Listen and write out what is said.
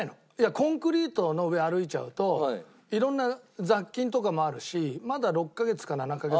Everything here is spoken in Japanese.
コンクリートの上歩いちゃうと色んな雑菌とかもあるしまだ６カ月か７カ月ぐらいなんで。